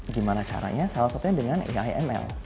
gimana caranya salah satunya dengan himl